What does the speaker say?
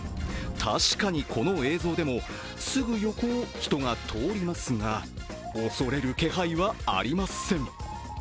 確かに、この映像でも、すぐ横を人が通りますが恐れる気配はありません。